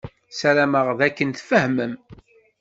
Ssarameɣ d akken tfehmem.